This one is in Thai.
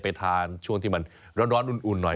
ไปทานช่วงที่มันร้อนอุ่นหน่อย